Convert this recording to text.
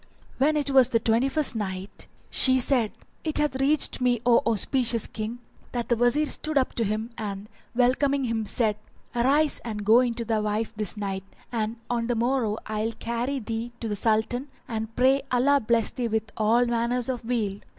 When it was the Twenty first Night, She said, It hath reached me, O auspicious King, that the Wazir stood up to him and welcoming him said, "Arise and go in to thy wife this night, and on the morrow I will carry thee to the Sultan, and pray Allah bless thee with all manner of weal."